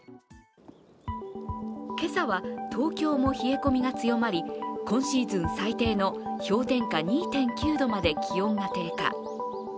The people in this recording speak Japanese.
今朝は東京も冷え込みが強まり、今シーズン最低の氷点下２．９度まで気温が低下。